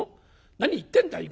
『何言ってんだい